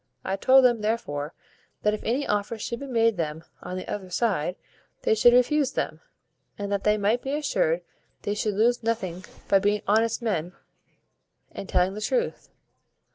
I told them, therefore, that if any offers should be made them on the other side, they should refuse them, and that they might be assured they should lose nothing by being honest men, and telling the truth.